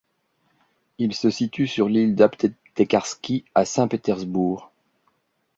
Il se situe sur l'ile de l'aptekarsky à Saint-Pétersbourg.